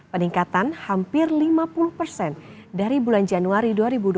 peningkatan hampir lima puluh persen dari bulan januari dua ribu dua puluh